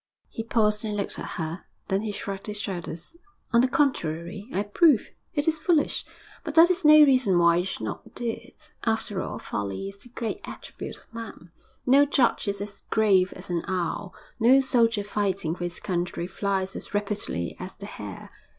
He paused and looked at her. Then he shrugged his shoulders. 'On the contrary, I approve. It is foolish, but that is no reason why you should not do it. After all, folly is the great attribute of man. No judge is as grave as an owl; no soldier fighting for his country flies as rapidly as the hare.